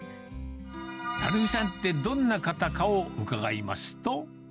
成美さんってどんな方かと伺いますと。